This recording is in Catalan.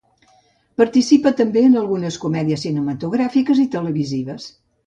Participa també en algunes comèdies, cinematogràfiques i televisives.